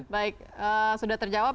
baik sudah terjawab